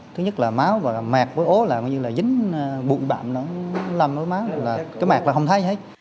thứ nhất là máu và mẹt với ố là như là dính bụi bạm nó nằm ở máu là cái mẹt là không thấy hết